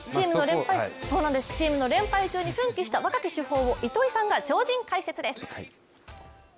チームの連敗中に奮起した若き主砲を糸井さんが超人解説です。